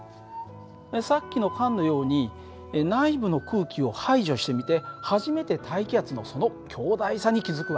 さっきの缶のように内部の空気を排除してみて初めて大気圧のその強大さに気付く訳です。